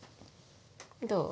どう？